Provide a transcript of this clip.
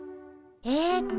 えっと